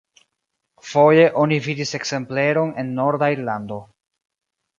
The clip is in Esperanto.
Foje oni vidis ekzempleron en norda Irlando.